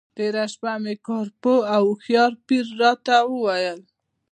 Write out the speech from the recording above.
تېره شپه مې کار پوه او هوښیار پیر راته وویل.